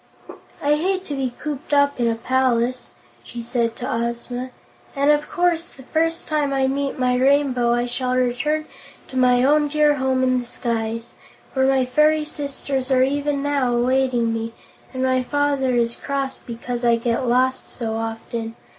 "I hate to be cooped up in a palace," she said to Ozma, "and of course the first time I meet my Rainbow I shall return to my own dear home in the skies, where my fairy sisters are even now awaiting me and my father is cross because I get lost so often.